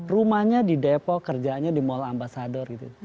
rumahnya di depok kerjanya di mall ambasador gitu